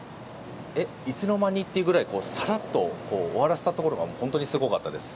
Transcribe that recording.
いつのまに？というくらいさらっと終わらせたところが本当にすごかったです。